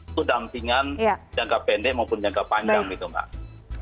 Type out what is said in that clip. itu dampingan jangka pendek maupun jangka panjang gitu mbak